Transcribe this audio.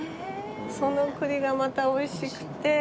その栗がまた美味しくて。